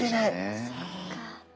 そっか。